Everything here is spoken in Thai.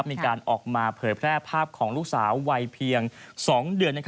มีการออกมาเผยแพร่ภาพของลูกสาววัยเพียง๒เดือน